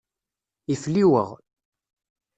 Ifliweɣ.